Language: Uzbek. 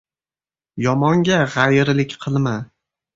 Yomonga g‘ayirlik qilma